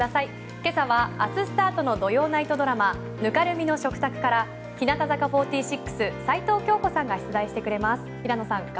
今朝は明日スタートの土曜ナイトドラマ「泥濘の食卓」から日向坂４６、齊藤京子さんが出題してくれます。